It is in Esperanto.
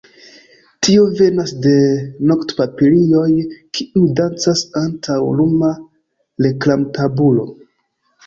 Tio venas de noktpapilioj, kiuj dancas antaŭ luma reklamtabulo.